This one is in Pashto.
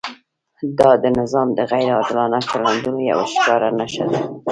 دا د نظام د غیر عادلانه چلندونو یوه ښکاره نښه ده.